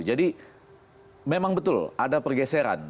jadi memang betul ada pergeseran